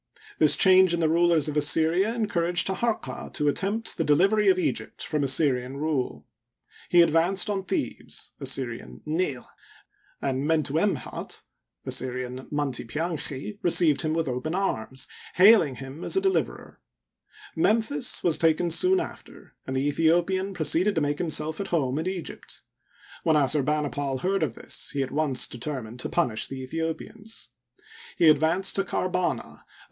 — This change in the rulers of Assyria encouraged Taharqa to attempt the delivery of Egypt from Assyrian rule. He advanced on Thebes (Assyr. Ni") and Mentuemhat (Assyr. Manti ptanchi) received him with open arms, hailing him as a deliverer. Memphis was taken soon after, and the Aethi opian proceeded to make himself at home in Egypt. When Assurbanipal heard of this, he at once determined to punish the Aethiopians. He advanced to Karbana, a Digitized byCjOOQlC X22 HISTORY OF EGYPT.